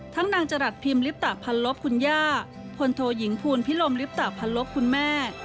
นางจรัสพิมลิปตะพันลบคุณย่าพลโทยิงภูลพิลมลิปตะพันลบคุณแม่